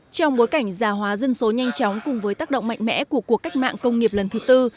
trong bối cảnh già hóa dân số nhanh chóng cùng với tác động mạnh mẽ của cuộc cách mạng công nghiệp lần thứ tư